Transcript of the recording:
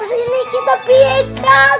terus ini kita piyekal